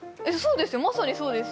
まさにそうです。